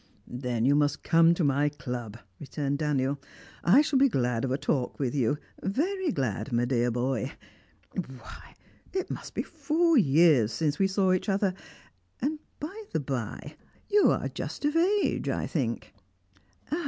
"Then you must come to my club," returned Daniel. "I shall be glad of a talk with you, very glad, my dear boy. Why, it must be four years since we saw each other. And, by the bye, you are just of age, I think?"